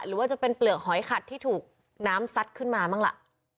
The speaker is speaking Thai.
หรือว่าจะเป็นเปลือกหอยขัดที่ถูกน้ำซัดขึ้นมาบ้างล่ะ